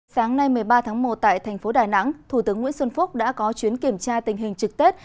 sáng nay một mươi ba tháng một tại thành phố đà nẵng thủ tướng nguyễn xuân phúc đã có chuyến kiểm tra tình hình trực tết